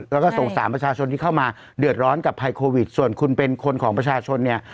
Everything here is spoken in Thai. แล้วก็สงสารประชาชนที่เข้ามาเดือดร้อนกับภัยโควิดส่วนคุณเป็นคนของประชาชนเนี่ย